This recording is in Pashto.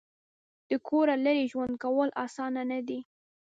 د کوره لرې ژوند کول اسانه نه دي.